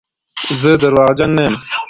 زه درواغجن نه یم.